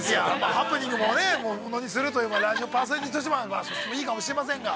◆ハプニングも、ものにするという、ラジオパーソナリティーとしてはいいかもしれませんが。